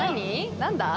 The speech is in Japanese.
何だ？